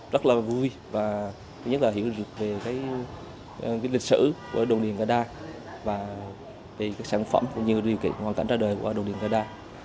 rất là vui và nhất là hiểu được về lịch sử của đồn hiển cà đa và các sản phẩm cũng như hoàn cảnh ra đời của đồn hiển cà đa